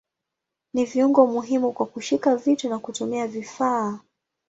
Ni viungo muhimu kwa kushika vitu na kutumia vifaa.